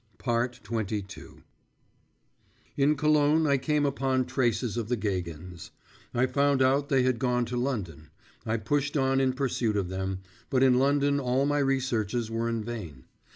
XXII In Cologne I came upon traces of the Gagins; I found out they had gone to London; I pushed on in pursuit of them; but in London all my researches were in vain.